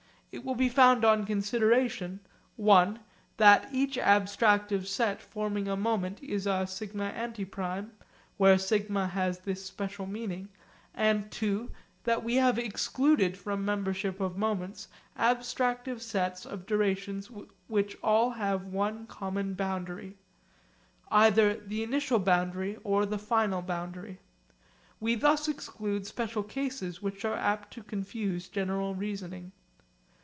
It will be found on consideration (i) that each abstractive set forming a moment is a σ antiprime, where σ has this special meaning, and (ii) that we have excluded from membership of moments abstractive sets of durations which all have one common boundary, either the initial boundary or the final boundary. We thus exclude special cases which are apt to confuse general reasoning.